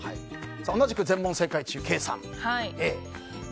同じく全問正解中のケイさんＡ。